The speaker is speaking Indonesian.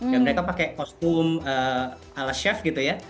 dan mereka pakai kostum ala chef gitu ya